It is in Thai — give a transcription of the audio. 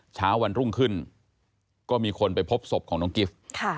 เช้าวันรุ่งขึ้นก็มีคนไปพบศพของน้องกิฟต์